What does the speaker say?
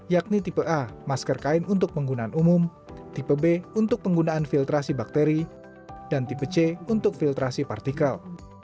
yakni tipe a masker kain untuk penggunaan umum tipe b untuk penggunaan filtrasi bakteri dan tipe c untuk filtrasi partikel